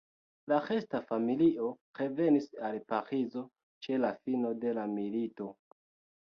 La resta familio revenis al Parizo ĉe la fino de la milito.